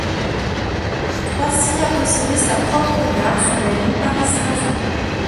Troissy a possédé sa propre gare sur la ligne Paris - Strasbourg.